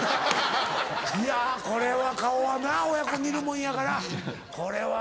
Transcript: いやこれは顔はな親子似るもんやからこれは。